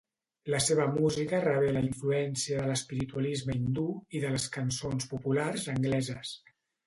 La seva música rebé la influència de l'espiritualisme hindú i de les cançons populars angleses.